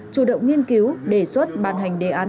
chủ động nghiên cứu đề xuất ban hành đề án